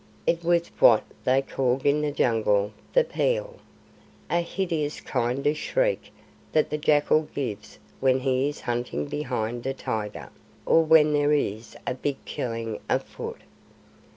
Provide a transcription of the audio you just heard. It was what they call in the Jungle the pheeal, a hideous kind of shriek that the jackal gives when he is hunting behind a tiger, or when there is a big killing afoot.